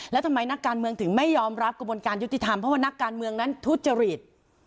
แล้วทำไมนักการเมืองถึงไม่ยอมรับกระบวนการยุติธรรมเพราะว่านักการเมืองนั้นทุจริต